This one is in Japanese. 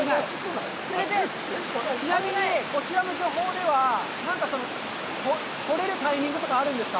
ちなみにこちらの漁法では、取れるタイミングとかあるんですか？